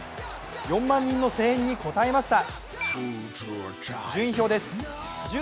４万人の声援に応えました。